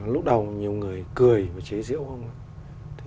lúc đầu nhiều người cười và chế diễu ông ấy